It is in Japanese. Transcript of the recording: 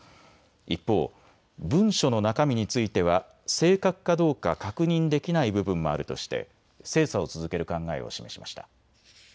一方、文書の中身については正確かどうか確認できない部分もあるとして精査を続ける考えを示しました。